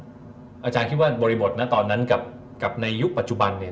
อเจมส์อาจารย์คิดว่าบริบทตอนนั้นกับในยุคปัจจุบัน